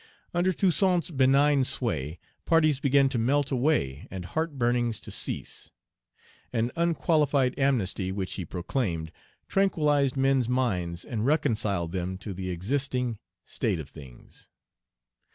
Under Toussaint's benign sway, parties began to melt away and heart burnings to cease. An unqualified amnesty, which he proclaimed, tranquillized men's minds and reconciled them to the existing state of things.